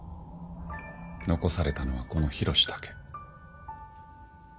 残されたのはこの緋炉詩だけ。